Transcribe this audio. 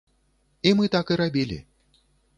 І мы так і рабілі.